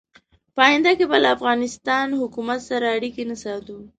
په آینده کې به له افغانستان حکومت سره اړیکې نه ساتو.